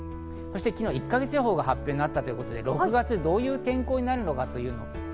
昨日、１か月予報が発表になったということで６月、どういう天候になるのか。